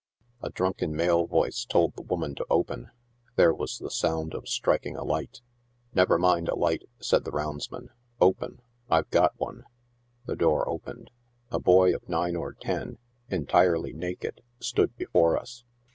A drunken male voice told the woaiau to open. There was the sound of striking a light. " Never mind a light," said the roundsman ;" open — I've got one I" The door opened. A boy of nine or ten, entirely naked, stood before us.